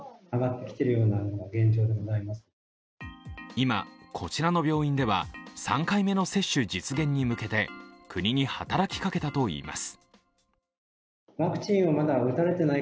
今、こちらの病院では３回目の接種実現に向けて国に働きかけたといいます。